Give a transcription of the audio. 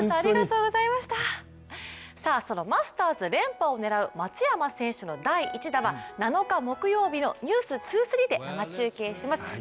そのマスターズ連覇を狙う松山選手の第１打は７日木曜日の「ｎｅｗｓ２３」で生中継します。